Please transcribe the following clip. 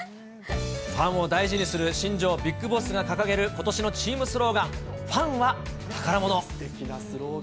ファンを大事にする新庄ビッグボスが掲げる、ことしのチームスローガン、ファンは宝物。